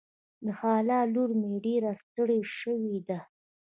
د خاله لور مې ډېره ستړې شوې ده.